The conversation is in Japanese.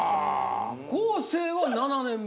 昴生は７年目。